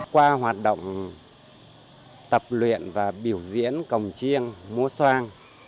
qua hoạt động tập luyện và biểu diễn cồng chiêng mối soan